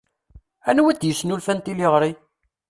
Anwa d-yesnulfan tiliɣri?